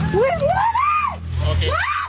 ก็ให้นาน